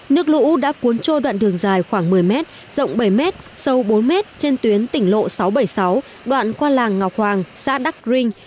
nước lũ đã cuốn trôi đoạn đường dài khoảng một mươi m rộng bảy m sâu bốn m trên tuyến tỉnh lộ sáu trăm bảy mươi sáu đoạn qua làng ngọc hoàng xã đắc rinh